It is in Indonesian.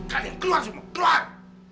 kalian keluar semua keluar